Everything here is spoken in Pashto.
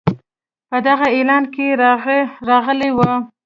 په دغه اعلان کې راغلی وو.